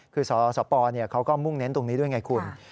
คือสสปเขาก็มุ่งเน้นตรงนี้ด้วยไงคุณ